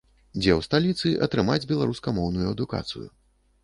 Дзе ў сталіцы атрымаць беларускамоўную адукацыю.